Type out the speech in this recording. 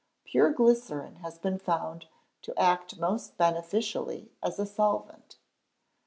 Pure glycerine has been found to act most beneficially as a solvent.